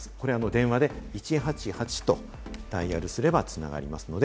電話で１８８とダイヤルすれば繋がります。